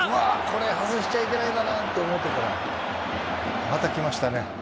これ外しちゃいけないかなと思ってたらまた来ましたね。